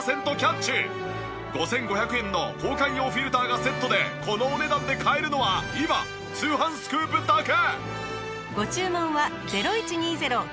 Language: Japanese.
５５００円の交換用フィルターがセットでこのお値段で買えるのは今『通販スクープ』だけ。